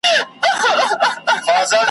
بخت مي لکه ستوری د یوسف دی ځلېدلی `